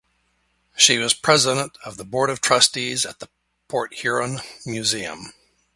She was president of the board of trustees at the Port Huron Museum.